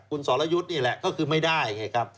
คุณสอยุทธ์นี่แหละไม่ได้